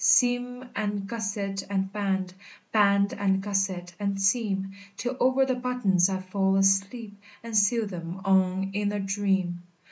Seam, and gusset, and band, Band, and gusset, and seam, Till over the buttons I fall asleep, And sew them on in a dream!